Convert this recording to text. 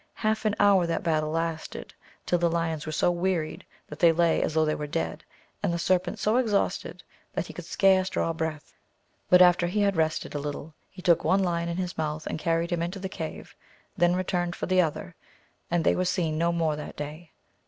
Half an hour that battle lasted till the lions were so wearied that they lay as though they were dead, and the serpent so exhausted that he could scarce draw breath ; but after he had rested a little he took one lion in his mouth and carried him into the cave, then returned for the other, and they were seen no more that day.